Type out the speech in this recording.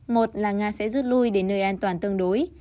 một là nga sẽ rút lui đến nơi an toàn tương đối